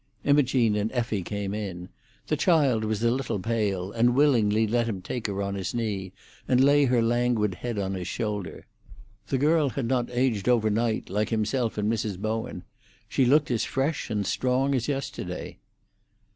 Imogene and Effie came in. The child was a little pale, and willingly let him take her on his knee, and lay her languid head on his shoulder. The girl had not aged overnight like himself and Mrs. Bowen; she looked as fresh and strong as yesterday.